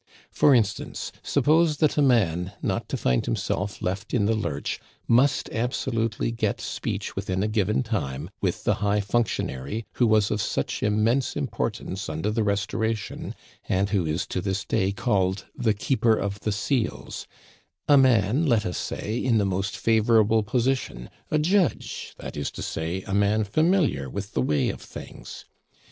For instance, suppose that a man, not to find himself left in the lurch, must absolutely get speech within a given time with the high functionary who was of such immense importance under the Restoration, and who is to this day called the Keeper of the Seals a man, let us say, in the most favorable position, a judge, that is to say, a man familiar with the way of things.